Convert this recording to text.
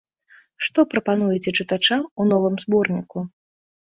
Што прапануеце чытачам у новым зборніку?